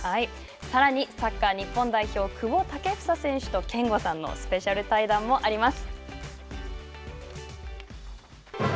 さらにサッカー日本代表久保建英選手と憲剛さんのスペシャル対談もあります。